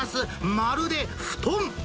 まるで布団。